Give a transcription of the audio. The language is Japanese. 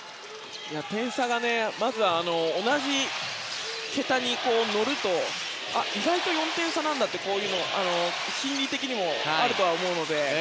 点差がまずは同じ桁に乗ると意外と４点差なんだっていうのが心理的にもあるので。